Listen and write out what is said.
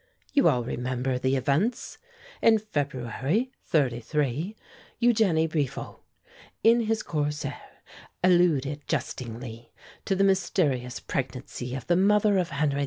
You all remember the events. In February, '33, Eugène Brifault, in his 'Corsair,' alluded jestingly to the mysterious pregnancy of the mother of Henry V.